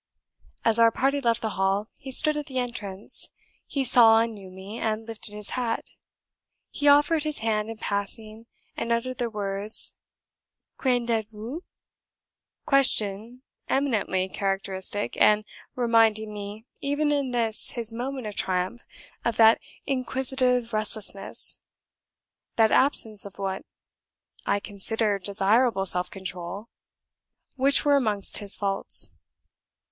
"As our party left the Hall, he stood at the entrance; he saw and knew me, and lifted his hat; he offered his hand in passing, and uttered the words 'Qu'en dites vous?' question eminently characteristic, and reminding me, even in this his moment of triumph, of that inquisitive restlessness, that absence of what I considered desirable self control, which were amongst his faults.